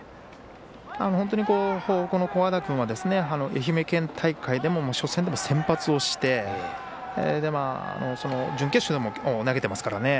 本当に古和田君は愛媛県大会でも初戦でも先発をして準決勝でも投げてますからね。